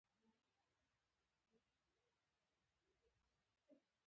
پوښتنې ګډې سر وخوړ.